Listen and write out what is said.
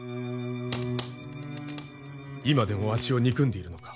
今でもわしを憎んでいるのか？